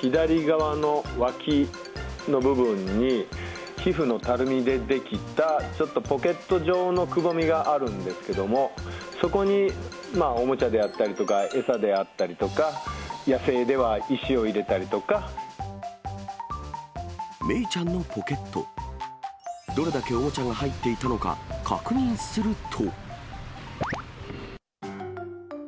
左側の脇の部分に、皮膚のたるみで出来た、ちょっとポケット状のくぼみがあるんですけれども、そこにおもちゃであったりとか、餌であったりとか、メイちゃんのポケット、どれだけおもちゃが入っていたのか確認すると。